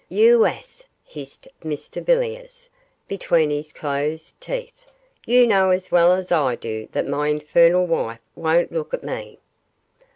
'You ass,' hissed Mr Villiers, between his closed teeth; 'you know as well as I do that my infernal wife won't look at me.